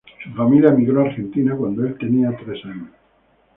Su familia emigró a Argentina cuando el tenía tres años.